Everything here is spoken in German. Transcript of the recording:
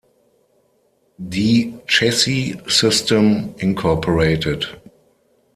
Die Chessie System Inc.